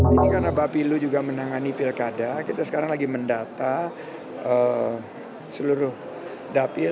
ini karena bapilu juga menangani pilkada kita sekarang lagi mendata seluruh dapil